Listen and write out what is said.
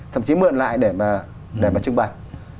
thậm chí mượn lại để mà trưng bày